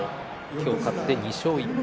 今日勝って２勝１敗。